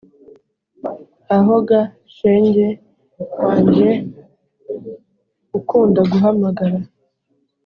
‘aho ga shenge wanjye ukunda guhamagara